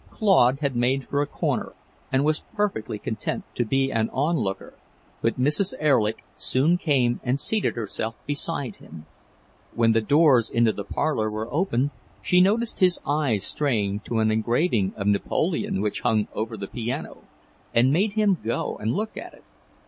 Claude had made for a corner, and was perfectly content to be an on looker, but Mrs. Erlich soon came and seated herself beside him. When the doors into the parlour were opened, she noticed his eyes straying to an engraving of Napoleon which hung over the piano, and made him go and look at it.